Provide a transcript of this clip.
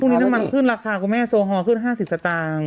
น้ำมันขึ้นราคาคุณแม่โซฮอลขึ้น๕๐สตางค์